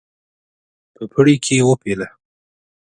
په پړي کې وپېله.